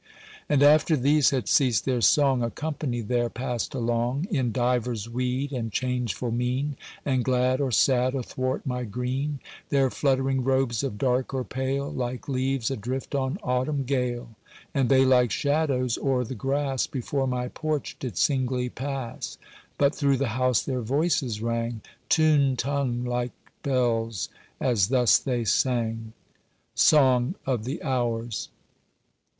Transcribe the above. And after these had ceased their song, A company there passed along, In divers weed, and changeful mien, And glad, or sad, athwart my green: Their fluttering robes of dark or pale, Like leaves adrift on Autumn gale; And they like shadows o'er the grass Before my porch did singly pass, But through the house their voices rang, Tune tongued like bells, as thus they sang:— (SONG OF THE HOURS.)